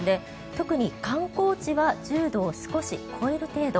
特に観光地は１０度を少し超える程度。